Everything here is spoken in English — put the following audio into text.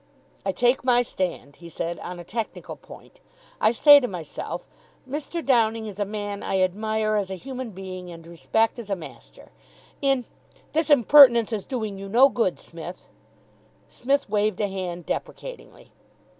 "I take my stand," he said, "on a technical point. I say to myself, 'Mr. Downing is a man I admire as a human being and respect as a master. In '" "This impertinence is doing you no good, Smith." Psmith waved a hand deprecatingly.